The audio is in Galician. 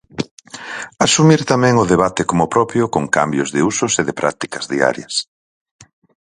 Asumir tamén o debate como propio con cambios de usos e de prácticas diarias.